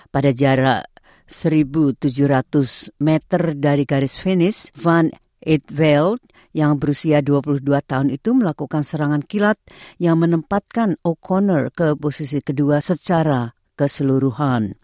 pada jarak seribu tujuh ratus meter dari garis finish fun delapanild yang berusia dua puluh dua tahun itu melakukan serangan kilat yang menempatkan oconor ke posisi kedua secara keseluruhan